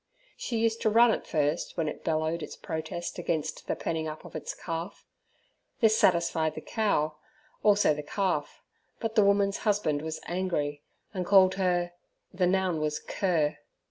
She used to run at first when it bellowed its protest against the penning up of its calf. This satisfied the cow, also the calf, but the woman's husband was angry, and called her the noun was cur.